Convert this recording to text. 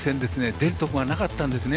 出るところがなかったんですね。